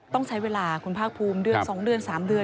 ต้องใช้เวลาคุณภาคภูมิเดือน๒เดือน๓เดือน